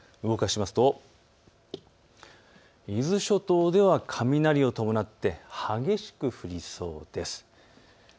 動かしますと伊豆諸島では雷を伴って激しく降りそうです。